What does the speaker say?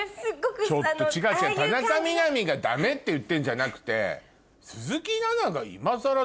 違う違う田中みな実がダメって言ってんじゃなくて。